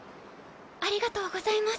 ありがとうございます。